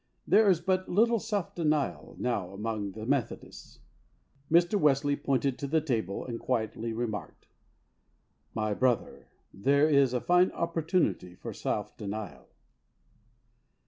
There is but little self denial now among the Methodists.*' Mr. Wesley pointed to the table and quietly remarked, "My brother, there is a fine opportunity for self denial."